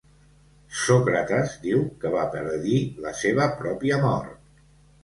Sòcrates diu que va predir la seva pròpia mort.